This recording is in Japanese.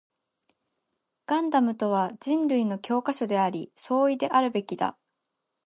ガンダムとは人類の教科書であり、総意であるべきだ